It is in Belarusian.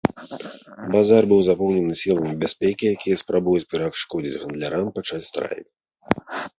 Базар быў запоўнены сіламі бяспекі, якія спрабуюць перашкодзіць гандлярам пачаць страйк.